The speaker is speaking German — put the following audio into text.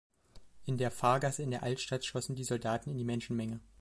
In der Fahrgasse in der Altstadt schossen die Soldaten in die Menschenmenge.